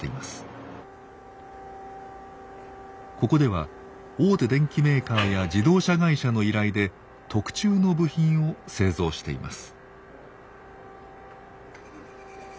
ここでは大手電機メーカーや自動車会社の依頼で特注の部品を製造しています。